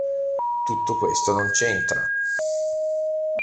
Tutto questo non c'entra!